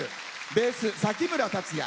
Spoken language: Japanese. ベース、崎村達也。